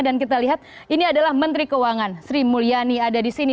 dan kita lihat ini adalah menteri keuangan sri mulyani ada disini